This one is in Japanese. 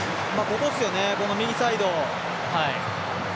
ここですよね、右サイド。